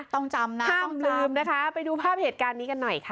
ต้องจำนะต้องลืมนะคะไปดูภาพเหตุการณ์นี้กันหน่อยค่ะ